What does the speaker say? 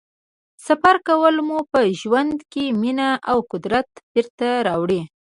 سفر کول مو په ژوند کې مینه او قدرت بېرته راوړي.